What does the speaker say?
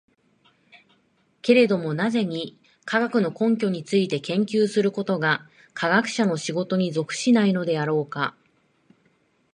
けれども何故に、科学の根拠について研究することが科学者の仕事に属しないのであろうか。